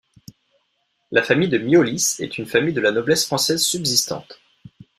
La famille de Miollis est une famille de la noblesse française subsistante.